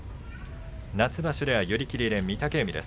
夏場所では寄り切りで御嶽海です。